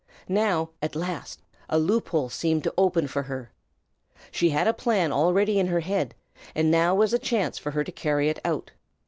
Now, at last, a loop hole seemed to open for her. She had a plan already in her head, and now there was a chance for her to carry it out.